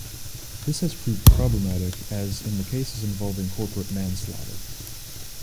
This has proved problematic as in the cases involving corporate manslaughter.